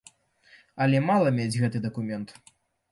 Але мала мець гэты дакумент.